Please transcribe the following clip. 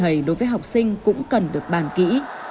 thầy đối với học sinh cũng cần được bàn kỹ